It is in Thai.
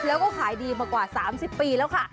แล้วก็ขายดีมากว่า๓๐ปีแล้วค่ะ